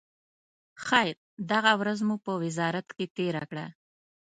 خیر، دغه ورځ مو په وزارت کې تېره کړه.